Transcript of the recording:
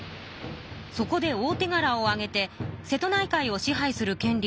そこで大てがらを上げて瀬戸内海を支配するけん